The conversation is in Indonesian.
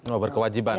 oh berkewajiban ya